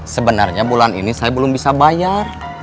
sebenarnya bulan ini saya belum bisa bayar